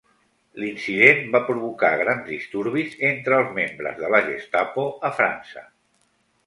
L'incident va provocar grans disturbis entre els membres de la Gestapo a França.